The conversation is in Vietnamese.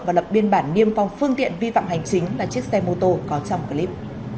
và lập biên bản niêm phong phương tiện vi phạm hành chính là chiếc xe mô tô có trong clip